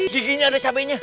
giginya ada cabainya